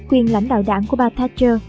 quyền lãnh đạo đảng của bà thatcher